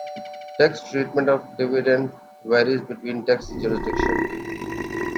Tax treatment of dividends varies between tax jurisdictions.